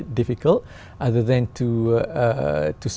tôi có thể ngồi xuống